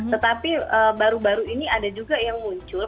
tetapi baru baru ini ada juga yang muncul